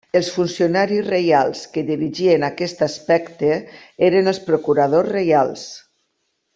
Els funcionaris reials que dirigien aquest aspecte eren els procuradors reials.